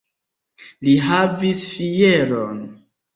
Li havis fieron!